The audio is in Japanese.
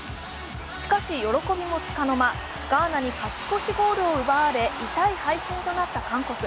しかし、喜びもつかの間ガーナに勝ち越しゴールを奪われ痛い敗戦となった韓国。